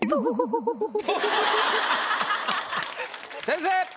先生！